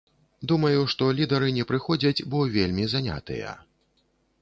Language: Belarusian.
Думаю, што лідары не прыходзяць, бо вельмі занятыя.